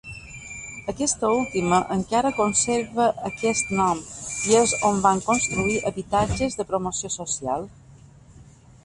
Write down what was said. Aquesta última encara conserva aquest nom i és on van construir habitatges de promoció social.